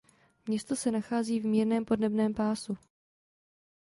Město se nachází v mírném podnebném pásu.